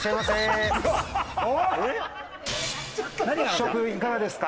試食いかがですか？